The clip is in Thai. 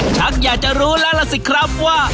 ชักอยากจะรู้แล้วล่ะสิครับว่า